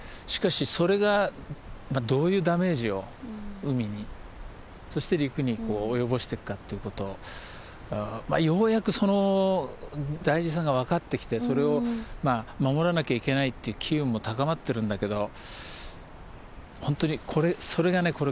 しかしそれがどういうダメージを海にそして陸にこう及ぼしていくかっていうことをようやくその大事さが分かってきてそれをまあ守らなきゃいけないっていう機運も高まってるんだけどほんとにそれがね